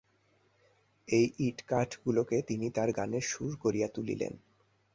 এই ইঁটকাঠগুলোকে তিনি তাঁর গানের সুর করিয়া তুলিলেন।